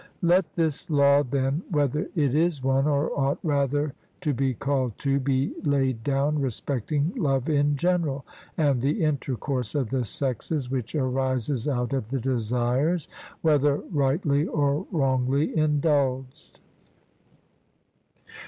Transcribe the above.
Let this law, then, whether it is one, or ought rather to be called two, be laid down respecting love in general, and the intercourse of the sexes which arises out of the desires, whether rightly or wrongly indulged.